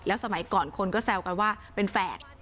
สมัยก่อนคนก็แซวกันว่าเป็นแฝด